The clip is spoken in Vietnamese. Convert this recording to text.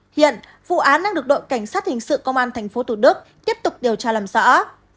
hiện vụ án đang được đội cảnh sát hình sự công an tp thủ đức tiếp tục điều tra làm rõ